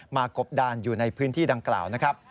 มากบดานอยู่ในพื้นที่ดังกล่าว